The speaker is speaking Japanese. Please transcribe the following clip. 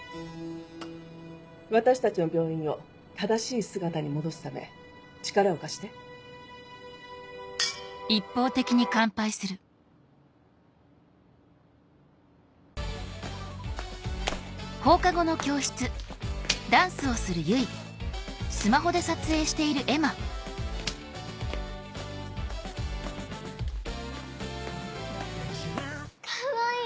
私たちの病院を正しい姿に戻すため力を貸して。かわいい！